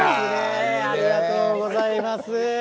ありがとうございます。